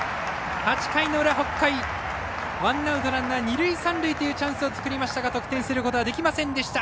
８回の裏、北海ワンアウト、ランナー、二塁三塁というチャンスを作りましたが得点することができませんでした。